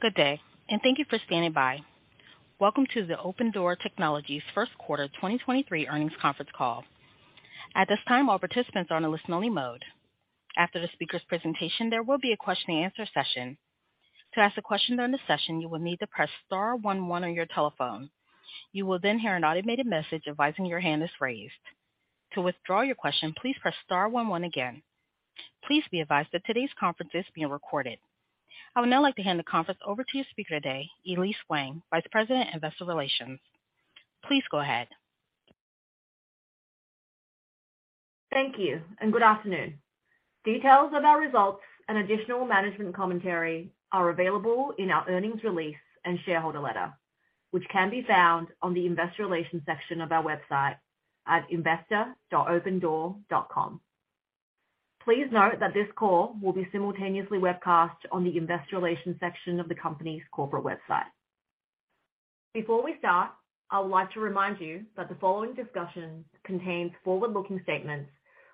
Good day, and thank you for standing by. Welcome to the Opendoor Technologies First Quarter 2023 Earnings Conference Call. At this time, all participants are on a listen only mode. After the speaker's presentation, there will be a question and answer session. To ask a question during the session, you will need to press star one one on your telephone. You will then hear an automated message advising your hand is raised. To withdraw your question, please press star one one again. Please be advised that today's conference is being recorded. I would now like to hand the conference over to your speaker today, Elise Wang, Vice President, Investor Relations. Please go ahead. Thank you and good afternoon. Details of our results and additional management commentary are available in our earnings release and shareholder letter, which can be found on the investor relations section of our website at investor.opendoor.com. Please note that this call will be simultaneously webcast on the investor relations section of the company's corporate website. Before we start, I would like to remind you that the following discussion contains forward-looking statements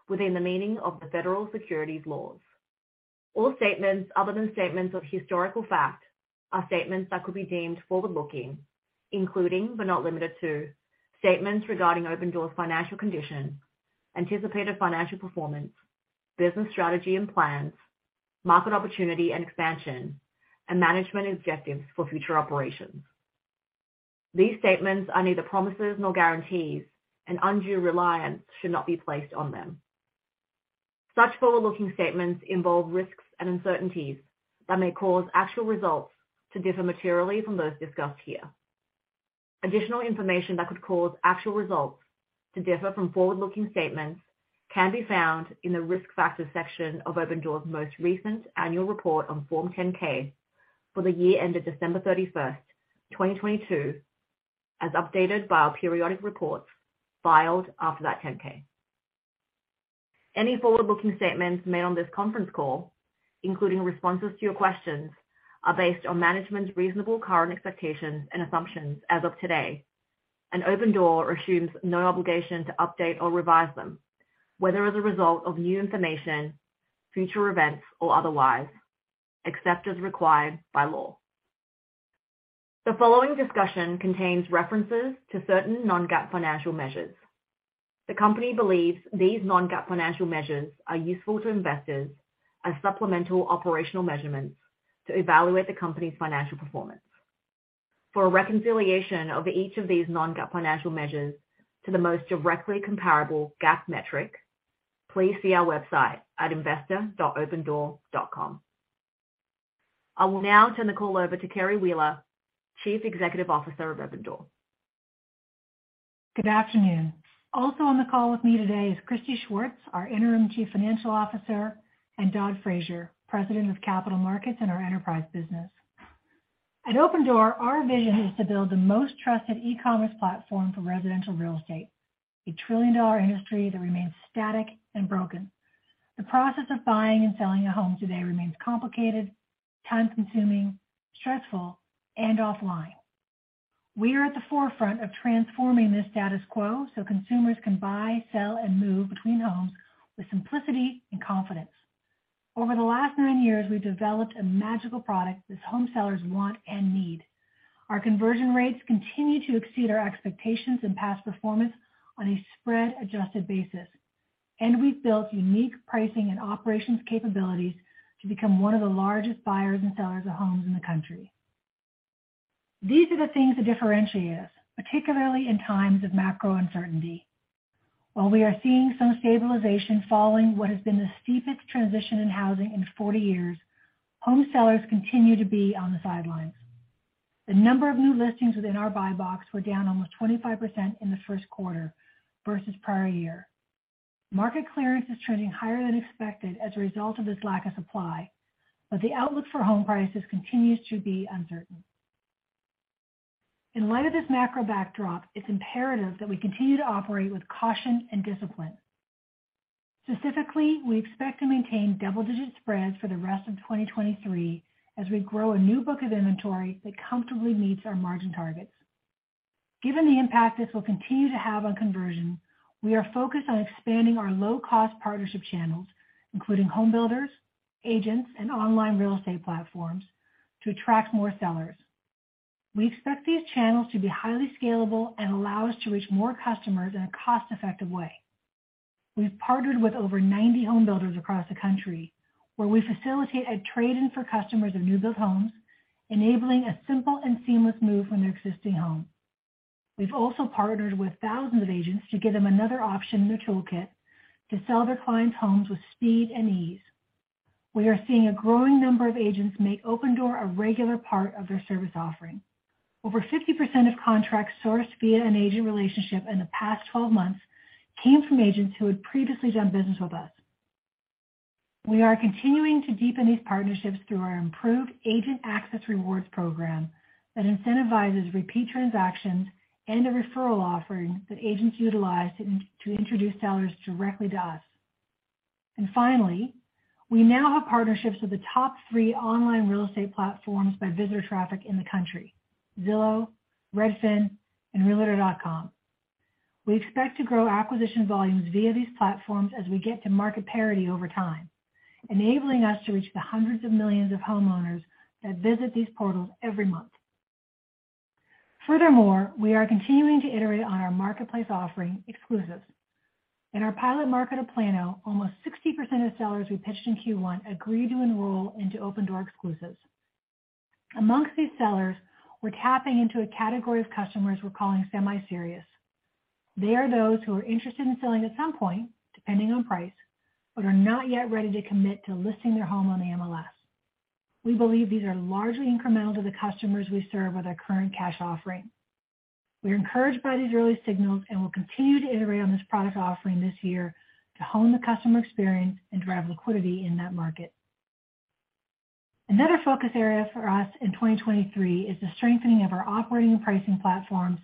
within the meaning of the federal securities laws. All statements other than statements of historical fact are statements that could be deemed forward-looking, including but not limited to, statements regarding Opendoor's financial condition, anticipated financial performance, business strategy and plans, market opportunity and expansion, and management objectives for future operations. These statements are neither promises nor guarantees and undue reliance should not be placed on them. Such forward-looking statements involve risks and uncertainties that may cause actual results to differ materially from those discussed here. Additional information that could cause actual results to differ from forward-looking statements can be found in the Risk Factors section of Opendoor's most recent annual report on Form 10-K for the year ended December 31st, 2022, as updated by our periodic reports filed after that 10-K. Any forward-looking statements made on this conference call, including responses to your questions, are based on management's reasonable current expectations and assumptions as of today, Opendoor assumes no obligation to update or revise them, whether as a result of new information, future events, or otherwise, except as required by law. The following discussion contains references to certain non-GAAP financial measures. The company believes these non-GAAP financial measures are useful to investors as supplemental operational measurements to evaluate the company's financial performance. For a reconciliation of each of these non-GAAP financial measures to the most directly comparable GAAP metric, please see our website at investor.opendoor.com. I will now turn the call over to Carrie Wheeler, Chief Executive Officer of Opendoor. Good afternoon. Also on the call with me today is Christy Schwartz, our Interim Chief Financial Officer, and Dod Fraser, President of Capital Markets and our Enterprise business. At Opendoor, our vision is to build the most trusted e-commerce platform for residential real estate, a trillion-dollar industry that remains static and broken. The process of buying and selling a home today remains complicated, time-consuming, stressful, and offline. We are at the forefront of transforming this status quo so consumers can buy, sell, and move between homes with simplicity and confidence. Over the last 9 years, we've developed a magical product that home sellers want and need. Our conversion rates continue to exceed our expectations and past performance on a spread adjusted basis, and we've built unique pricing and operations capabilities to become one of the largest buyers and sellers of homes in the country. These are the things that differentiate us, particularly in times of macro uncertainty. While we are seeing some stabilization following what has been the steepest transition in housing in 40 years, home sellers continue to be on the sidelines. The number of new listings within our buy box were down almost 25% in the first quarter versus prior year. Market clearance is trending higher than expected as a result of this lack of supply, but the outlook for home prices continues to be uncertain. In light of this macro backdrop, it's imperative that we continue to operate with caution and discipline. Specifically, we expect to maintain double-digit spreads for the rest of 2023 as we grow a new book of inventory that comfortably meets our margin targets. Given the impact this will continue to have on conversion, we are focused on expanding our low-cost partnership channels, including home builders, agents, and online real estate platforms to attract more sellers. We expect these channels to be highly scalable and allow us to reach more customers in a cost-effective way. We've partnered with over 90 home builders across the country, where we facilitate a trade-in for customers of new build homes, enabling a simple and seamless move from their existing home. We've also partnered with thousands of agents to give them another option in their toolkit to sell their clients' homes with speed and ease. We are seeing a growing number of agents make Opendoor a regular part of their service offering. Over 50% of contracts sourced via an agent relationship in the past 12 months came from agents who had previously done business with us. We are continuing to deepen these partnerships through our improved Agent Access rewards program that incentivizes repeat transactions and a referral offering that agents utilize to introduce sellers directly to us. Finally, we now have partnerships with the top three online real estate platforms by visitor traffic in the country, Zillow, Redfin and Realtor.com. We expect to grow acquisition volumes via these platforms as we get to market parity over time, enabling us to reach the hundreds of millions of homeowners that visit these portals every month. Furthermore, we are continuing to iterate on our marketplace offering Opendoor Exclusives. In our pilot market of Plano, almost 60% of sellers we pitched in Q1 agreed to enroll into Opendoor Exclusives. Amongst these sellers, we're tapping into a category of customers we're calling semi-serious. They are those who are interested in selling at some point, depending on price, but are not yet ready to commit to listing their home on the MLS. We believe these are largely incremental to the customers we serve with our current cash offering. We'll continue to iterate on this product offering this year to hone the customer experience and drive liquidity in that market. Another focus area for us in 2023 is the strengthening of our operating and pricing platforms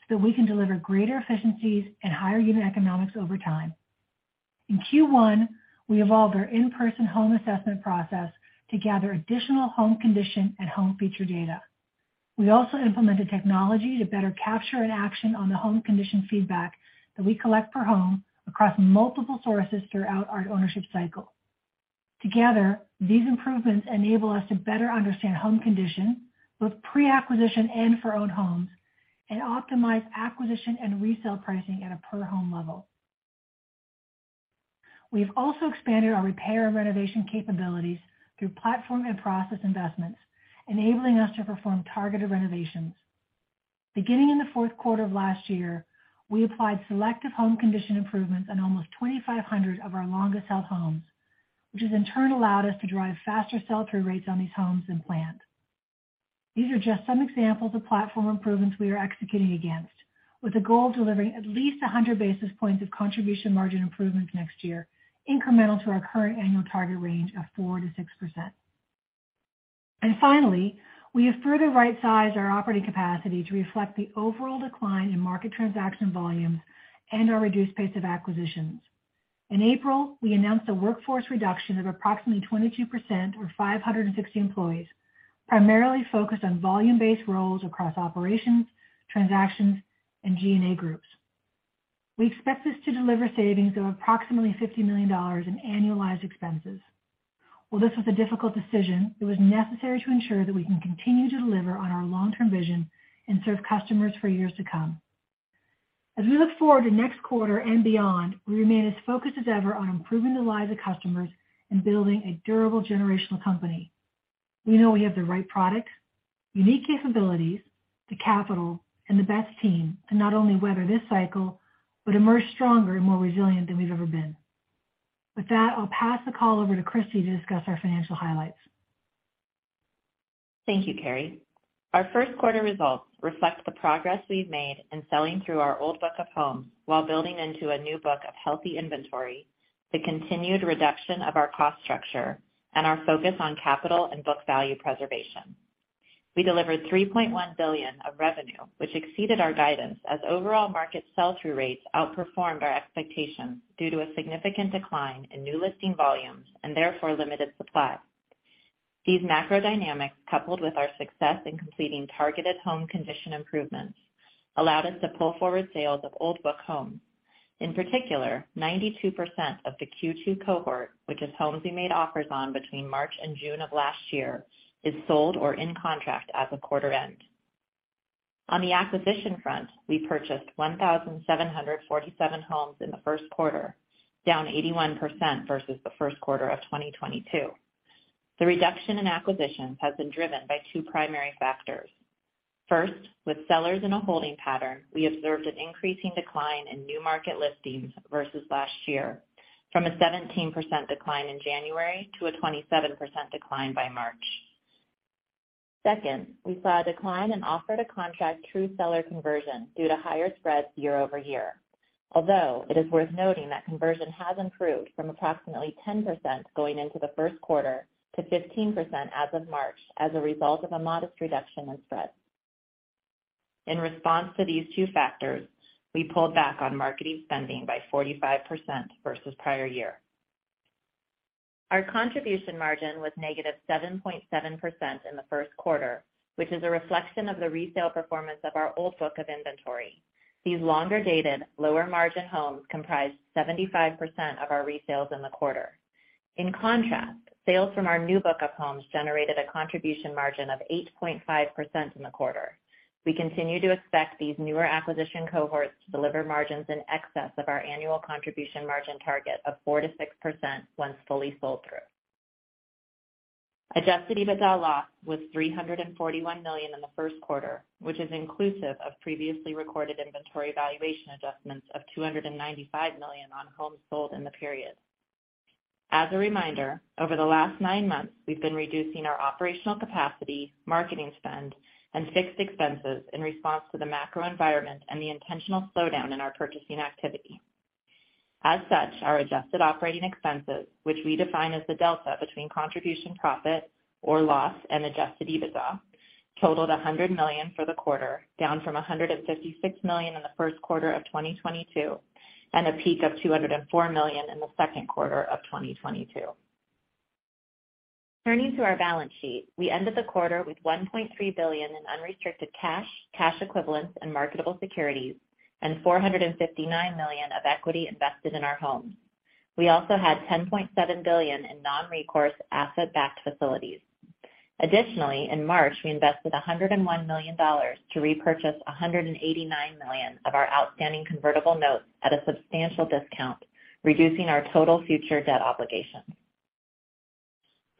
so that we can deliver greater efficiencies and higher unit economics over time. In Q1, we evolved our in-person home assessment process to gather additional home condition and home feature data. We also implemented technology to better capture and action on the home condition feedback that we collect per home across multiple sources throughout our ownership cycle. Together, these improvements enable us to better understand home condition, both pre-acquisition and for owned homes, and optimize acquisition and resale pricing at a per home level. We have also expanded our repair and renovation capabilities through platform and process investments, enabling us to perform targeted renovations. Beginning in the fourth quarter of last year, we applied selective home condition improvements on almost 2,500 of our longest held homes, which has in turn allowed us to drive faster sell-through rates on these homes than planned. These are just some examples of platform improvements we are executing against, with a goal of delivering at least 100 basis points of contribution margin improvements next year, incremental to our current annual target range of 4%-6%. Finally, we have further right-sized our operating capacity to reflect the overall decline in market transaction volumes and our reduced pace of acquisitions. In April, we announced a workforce reduction of approximately 22% or 560 employees, primarily focused on volume-based roles across operations, transactions, and G&A groups. We expect this to deliver savings of approximately $50 million in annualized expenses. This was a difficult decision, it was necessary to ensure that we can continue to deliver on our long-term vision and serve customers for years to come. We look forward to next quarter and beyond, we remain as focused as ever on improving the lives of customers and building a durable generational company. We know we have the right products, unique capabilities, the capital, and the best team to not only weather this cycle, but emerge stronger and more resilient than we've ever been. With that, I'll pass the call over to Christy to discuss our financial highlights. Thank you, Carrie. Our first quarter results reflect the progress we've made in selling through our old book of homes while building into a new book of healthy inventory, the continued reduction of our cost structure, and our focus on capital and book value preservation. We delivered $3.1 billion of revenue, which exceeded our guidance as overall market sell-through rates outperformed our expectations due to a significant decline in new listing volumes, therefore limited supply. These macro dynamics, coupled with our success in completing targeted home condition improvements, allowed us to pull forward sales of old book homes. In particular, 92% of the Q2 cohort, which is homes we made offers on between March and June of last year, is sold or in contract at the quarter end. On the acquisition front, we purchased 1,747 homes in the first quarter, down 81% versus the first quarter of 2022. The reduction in acquisitions has been driven by two primary factors. First, with sellers in a holding pattern, we observed an increasing decline in new market listings versus last year from a 17% decline in January to a 27% decline by March. Second, we saw a decline in offer to contract through seller conversion due to higher spreads year over year. It is worth noting that conversion has improved from approximately 10% going into the first quarter to 15% as of March as a result of a modest reduction in spreads. In response to these two factors, we pulled back on marketing spending by 45% versus prior year. Our contribution margin was -7.7% in the first quarter, which is a reflection of the resale performance of our old book of inventory. These longer-dated, lower-margin homes comprised 75% of our resales in the quarter. Sales from our new book of homes generated a contribution margin of 8.5% in the quarter. We continue to expect these newer acquisition cohorts to deliver margins in excess of our annual contribution margin target of 4%-6% once fully sold through. Adjusted EBITDA loss was $341 million in the first quarter, which is inclusive of previously recorded inventory valuation adjustments of $295 million on homes sold in the period. As a reminder, over the last 9 months, we've been reducing our operational capacity, marketing spend, and fixed expenses in response to the macro environment and the intentional slowdown in our purchasing activity. Our adjusted operating expenses, which we define as the delta between contribution, profit or loss and adjusted EBITDA, totaled $100 million for the quarter, down from $156 million in the first quarter of 2022, and a peak of $204 million in the second quarter of 2022. We ended the quarter with $1.3 billion in unrestricted cash equivalents, and marketable securities, and $459 million of equity invested in our homes. We also had $10.7 billion in non-recourse asset-backed facilities. Additionally, in March, we invested $101 million to repurchase $189 million of our outstanding convertible notes at a substantial discount, reducing our total future debt obligations.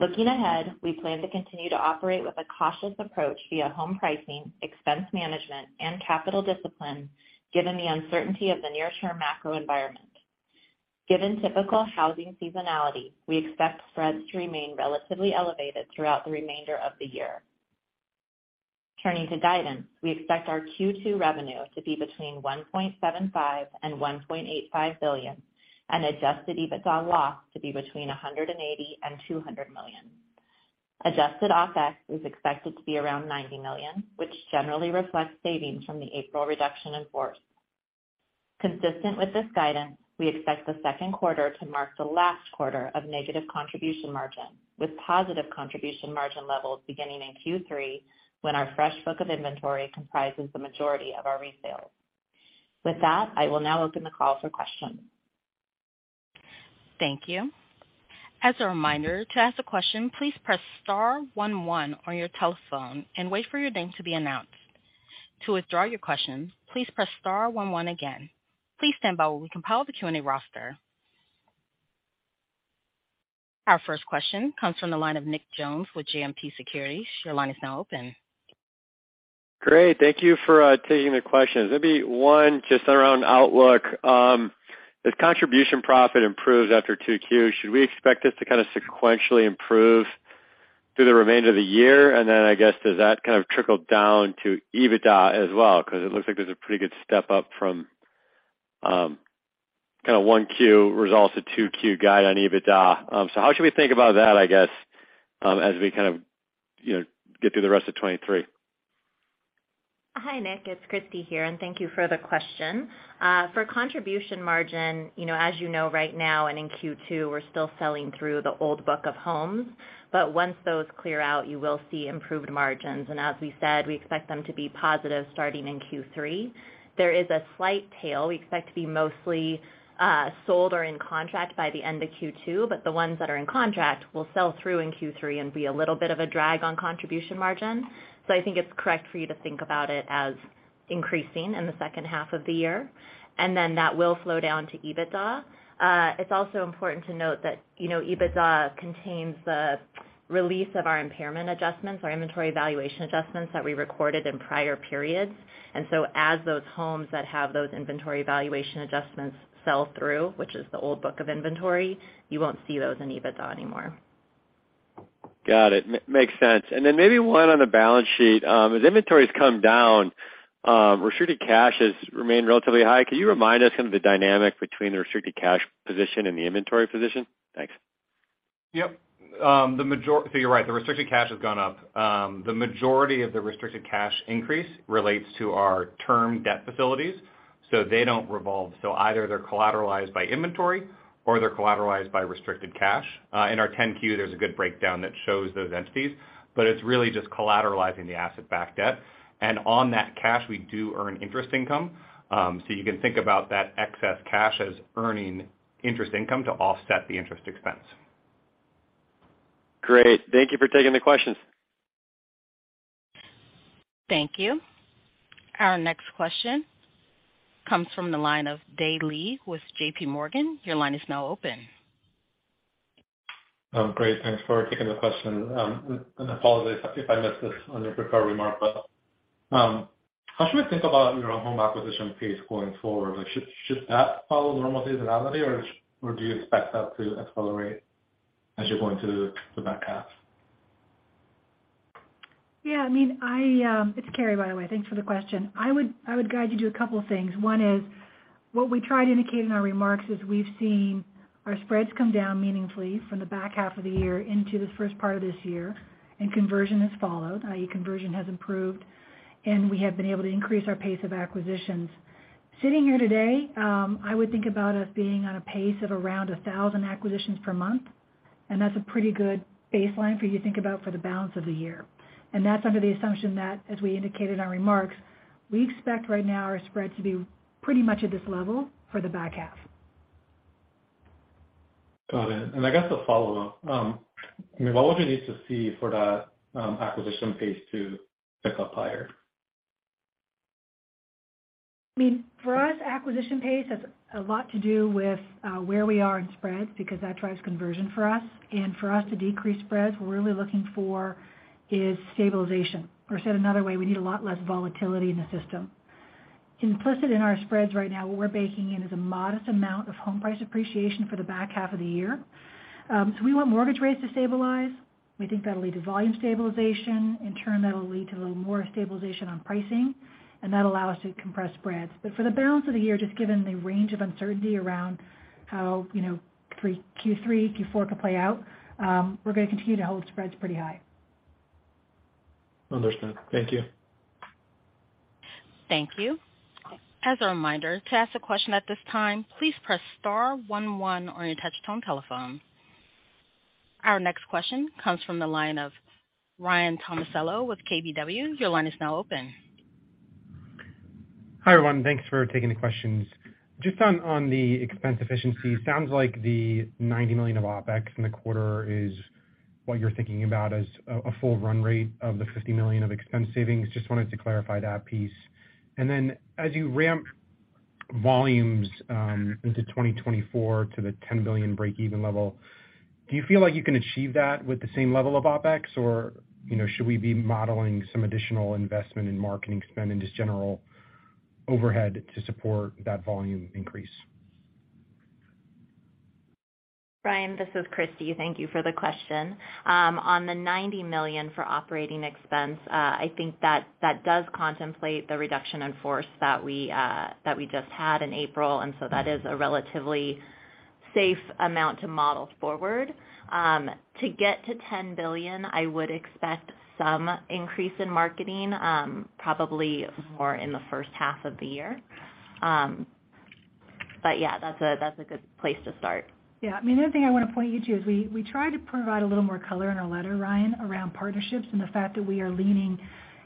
Looking ahead, we plan to continue to operate with a cautious approach via home pricing, expense management, and capital discipline, given the uncertainty of the near-term macro environment. Given typical housing seasonality, we expect spreads to remain relatively elevated throughout the remainder of the year. Turning to guidance, we expect our Q2 revenue to be between $1.75 billion and $1.85 billion, and Adjusted EBITDA loss to be between $180 million and $200 million. Adjusted OpEx is expected to be around $90 million, which generally reflects savings from the April reduction in force. Consistent with this guidance, we expect the second quarter to mark the last quarter of negative contribution margin, with positive contribution margin levels beginning in Q3, when our fresh book of inventory comprises the majority of our resales. With that, I will now open the call for questions. Thank you. As a reminder, to ask a question, please press star one one on your telephone and wait for your name to be announced. To withdraw your question, please press star one one again. Please stand by while we compile the Q&A roster. Our first question comes from the line of Nick Jones with JMP Securities. Your line is now open. Great. Thank you for taking the questions. Maybe one just around outlook. As contribution profit improves after 2 Qs, should we expect this to kind of sequentially improve through the remainder of the year? I guess, does that kind of trickle down to EBITDA as well? Cause it looks like there's a pretty good step up from kind of 1Q results to 2Q guide on EBITDA. How should we think about that, I guess, as we kind of, you know, get through the rest of 2023? Hi, Nick. It's Christy here. Thank you for the question. For contribution margin, you know, as you know right now and in Q2, we're still selling through the old book of homes. Once those clear out, you will see improved margins. As we said, we expect them to be positive starting in Q3. There is a slight tail we expect to be mostly sold or in contract by the end of Q2. The ones that are in contract will sell through in Q3 and be a little bit of a drag on contribution margin. I think it's correct for you to think about it as increasing in the second half of the year, and then that will flow down to EBITDA. It's also important to note that, you know, EBITDA contains the release of our impairment adjustments, our inventory valuation adjustments that we recorded in prior periods. As those homes that have those inventory valuation adjustments sell through, which is the old book of inventory, you won't see those in EBITDA anymore. Got it. Makes sense. Maybe one on the balance sheet. As inventory's come down, restricted cash has remained relatively high. Can you remind us kind of the dynamic between the restricted cash position and the inventory position? Thanks. You're right, the restricted cash has gone up. The majority of the restricted cash increase relates to our term debt facilities, they don't revolve. Either they're collateralized by inventory or they're collateralized by restricted cash. In our 10-Q, there's a good breakdown that shows those entities, but it's really just collateralizing the asset-backed debt. On that cash, we do earn interest income, you can think about that excess cash as earning interest income to offset the interest expense. Great. Thank you for taking the questions. Thank you. Our next question comes from the line of Dae Lee with JPMorgan. Your line is now open. Great. Thanks for taking the question. Apologies if I missed this on the prepared remarks, but how should we think about your home acquisition pace going forward? Like should that follow the normal seasonality, or do you expect that to accelerate as you're going through the back half? Yeah, I mean, It's Carrie, by the way. Thanks for the question. I would guide you to a couple of things. One is, what we tried indicating in our remarks is we've seen our spreads come down meaningfully from the back half of the year into the first part of this year. Conversion has followed, i.e., conversion has improved, and we have been able to increase our pace of acquisitions. Sitting here today, I would think about us being on a pace of around 1,000 acquisitions per month, and that's a pretty good baseline for you to think about for the balance of the year. That's under the assumption that, as we indicated in our remarks, we expect right now our spread to be pretty much at this level for the back half. Got it. I guess a follow-up. I mean, what would you need to see for that acquisition pace to pick up higher? I mean, for us, acquisition pace has a lot to do with where we are in spreads because that drives conversion for us. For us to decrease spreads, what we're really looking for is stabilization. Said another way, we need a lot less volatility in the system. Implicit in our spreads right now, what we're baking in is a modest amount of home price appreciation for the back half of the year. We want mortgage rates to stabilize. We think that'll lead to volume stabilization. In turn, that'll lead to a little more stabilization on pricing, and that'll allow us to compress spreads. For the balance of the year, just given the range of uncertainty around how, you know, Q3, Q4 could play out, we're gonna continue to hold spreads pretty high. Understood. Thank you. Thank you. As a reminder, to ask a question at this time, please press star one one on your touchtone telephone. Our next question comes from the line of Ryan Tomasello with KBW. Your line is now open. Hi, everyone. Thanks for taking the questions. Just on the expense efficiency, sounds like the $90 million of OPEX in the quarter is what you're thinking about as a full run rate of the $50 million of expense savings. Just wanted to clarify that piece. Then as you ramp volumes into 2024 to the $10 billion breakeven level, do you feel like you can achieve that with the same level of OPEX? Or, you know, should we be modeling some additional investment in marketing spend and just general overhead to support that volume increase? Ryan, this is Christy. Thank you for the question. On the $90 million for operating expense, I think that that does contemplate the reduction in force that we just had in April. That is a relatively safe amount to model forward. To get to $10 billion, I would expect some increase in marketing, probably more in the first half of the year. Yeah, that's a good place to start. Yeah. I mean, the other thing I want to point you to is we try to provide a little more color in our letter, Ryan, around partnerships and the fact that we are leaning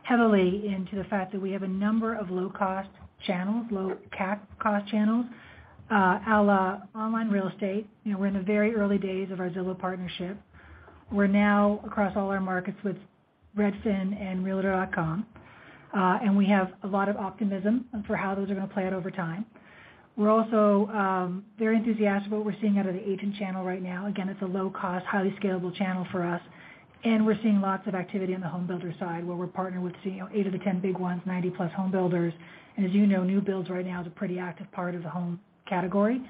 heavily into the fact that we have a number of low-cost channels, low CAC cost channels, a la online real estate. You know, we're in the very early days of our Zillow partnership. We're now across all our markets with Redfin and Realtor.com, and we have a lot of optimism for how those are gonna play out over time. We're also very enthusiastic what we're seeing out of the agent channel right now. Again, it's a low cost, highly scalable channel for us, and we're seeing lots of activity on the home builder side, where we're partnered with seeing, you know, 8 of the 10 big ones, 90-plus home builders. As you know, new builds right now is a pretty active part of the home category.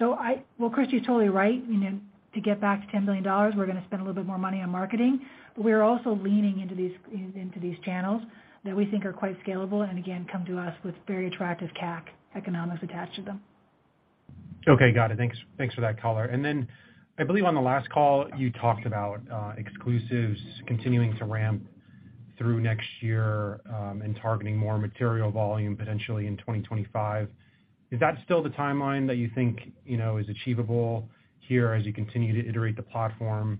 Well, Christy, you're totally right. You know, to get back to $10 billion, we're gonna spend a little bit more money on marketing, but we're also leaning into these channels that we think are quite scalable and again, come to us with very attractive CAC economics attached to them. Okay. Got it. Thanks, thanks for that color. I believe on the last call, you talked about Exclusives continuing to ramp through next year, and targeting more material volume potentially in 2025. Is that still the timeline that you think, you know, is achievable here as you continue to iterate the platform?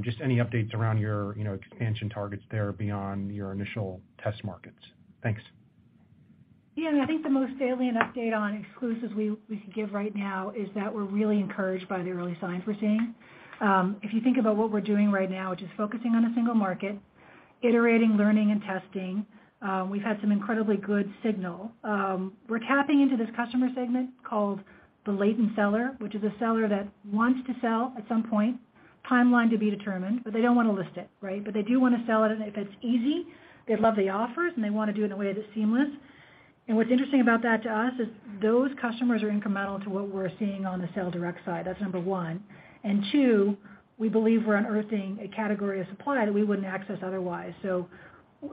Just any updates around your, you know, expansion targets there beyond your initial test markets? Thanks. Yeah. I mean, I think the most salient update on Opendoor Exclusives we can give right now is that we're really encouraged by the early signs we're seeing. If you think about what we're doing right now, which is focusing on a single market, iterating, learning, and testing, we've had some incredibly good signal. We're tapping into this customer segment called the latent seller, which is a seller that wants to sell at some point, timeline to be determined, but they don't wanna list it, right? They do wanna sell it, and if it's easy, they'd love the offers, and they wanna do it in a way that's seamless. What're interesting about that to us is those customers are incremental to what we're seeing on the sell direct side. That's number one. Two, we believe we're unearthing a category of supply that we wouldn't access otherwise.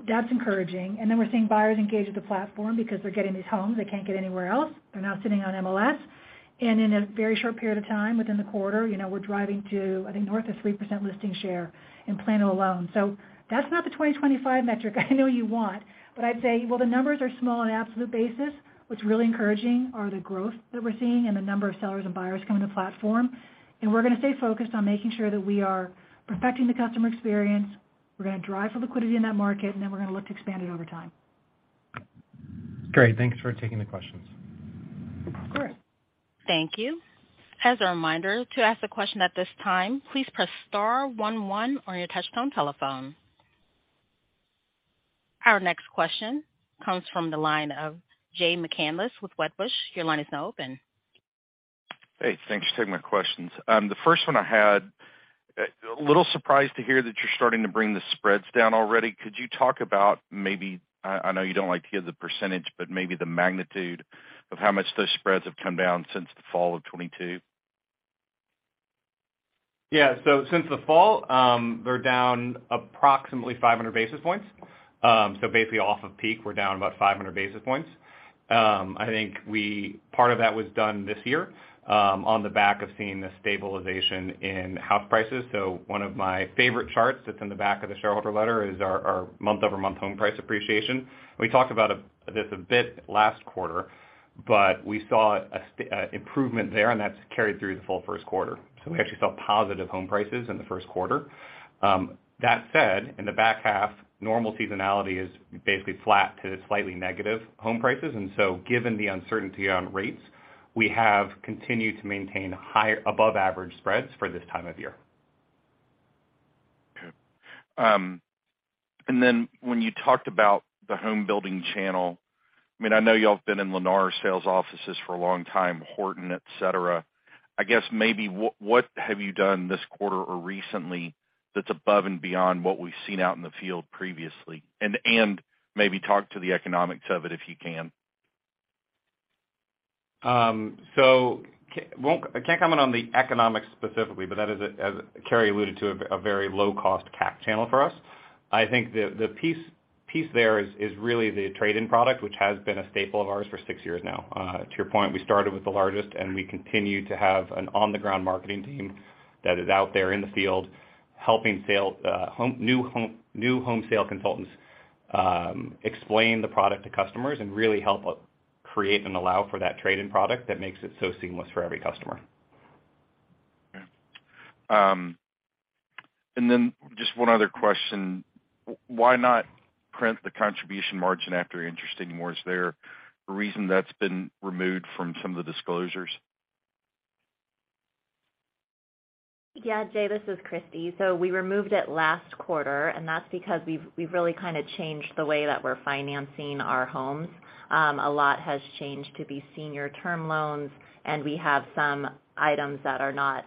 That's encouraging. Then we're seeing buyers engage with the platform because they're getting these homes they can't get anywhere else. They're now sitting on MLS. In a very short period of time, within the quarter, you know, we're driving to, I think, north of 3% listing share in Plano alone. That's not the 2025 metric I know you want, but I'd say, while the numbers are small on an absolute basis, what's really encouraging are the growth that we're seeing and the number of sellers and buyers coming to the platform. We're gonna stay focused on making sure that we are perfecting the customer experience. We're gonna drive for liquidity in that market, and then we're gonna look to expand it over time. Great. Thanks for taking the questions. Of course. Thank you. As a reminder, to ask a question at this time, please press star one one on your touchtone telephone. Our next question comes from the line of Jay McCanless with Wedbush. Your line is now open. Hey, thanks for taking my questions. The first one I had a little surprised to hear that you're starting to bring the spreads down already. Could you talk about maybe I know you don't like to give the percentage, but maybe the magnitude of how much those spreads have come down since the fall of 2022? Yeah. Since the fall, they're down approximately 500 basis points. Basically, off of peak, we're down about 500 basis points. I think Part of that was done this year on the back of seeing the stabilization in house prices. One of my favorite charts that's in the back of the shareholder letter is our month-over-month home price appreciation. We talked about this a bit last quarter, we saw improvement there, that's carried through the full first quarter. We actually saw positive home prices in the first quarter. That said, in the back half, normal seasonality is basically flat to slightly negative home prices. Given the uncertainty on rates, we have continued to maintain high above average spreads for this time of year. When you talked about the home building channel, I mean, I know y'all have been in Lennar sales offices for a long time, Horton, et cetera. I guess maybe what have you done this quarter or recently that's above and beyond what we've seen out in the field previously? And maybe talk to the economics of it, if you can. I can't comment on the economics specifically, that is a, as Carrie alluded to, a very low cost CAC channel for us. I think the piece there is really the trade-in product, which has been a staple of ours for six years now. To your point, we started with the largest, and we continue to have an on-the-ground marketing team that is out there in the field helping sale new home sale consultants explain the product to customers and really help us create and allow for that trade-in product that makes it so seamless for every customer. Okay. Then just one other question. Why not print the contribution margin after interest anymore? Is there a reason that's been removed from some of the disclosures? Yeah, Jay, this is Christy. We removed it last quarter, and that's because we've really kinda changed the way that we're financing our homes. A lot has changed to these senior term loans, and we have some items that are not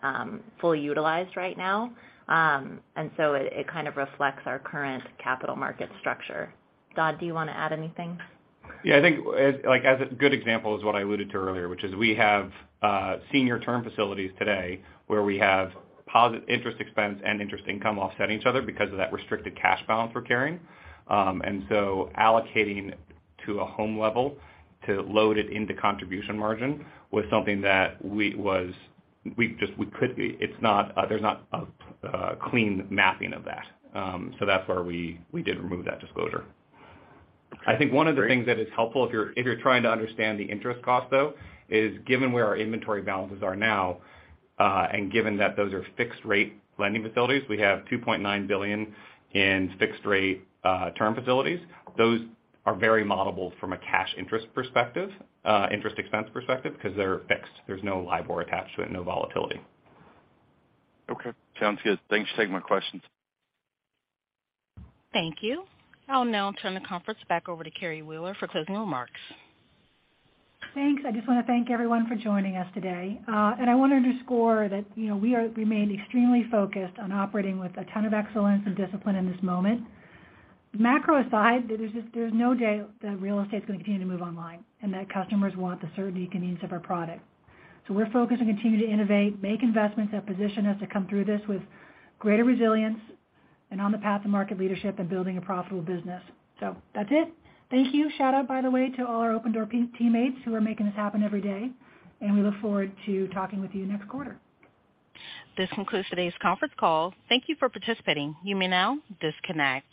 fully utilized right now. It kind of reflects our current capital market structure. Dod, do you wanna add anything? Yeah, I think like, as a good example is what I alluded to earlier, which is we have senior term facilities today where we have interest expense and interest income offsetting each other because of that restricted cash balance we're carrying. Allocating to a home level to load it into contribution margin was something that there's not a clean mapping of that. That's why we did remove that disclosure. I think one of the things that is helpful if you're trying to understand the interest cost, though, is given where our inventory balances are now, and given that those are fixed rate lending facilities, we have $2.9 billion in fixed rate term facilities. Those are very modelable from a cash interest perspective, interest expense perspective, 'cause they're fixed. There's no LIBOR attached to it, no volatility. Okay. Sounds good. Thanks for taking my questions. Thank you. I'll now turn the conference back over to Carrie Wheeler for closing remarks. Thanks. I just wanna thank everyone for joining us today. I wanna underscore that, you know, we remain extremely focused on operating with a ton of excellence and discipline in this moment. Macro aside, there's no doubt that real estate's gonna continue to move online and that customers want the certainty and convenience of our product. We're focused and continue to innovate, make investments that position us to come through this with greater resilience and on the path to market leadership and building a profitable business. That's it. Thank you. Shout out, by the way, to all our Opendoor teammates who are making this happen every day. We look forward to talking with you next quarter. This concludes today's conference call. Thank you for participating. You may now disconnect.